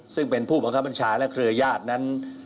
ซึ่งเป็นผู้บังคับบัญชาและเครือญาตินั้น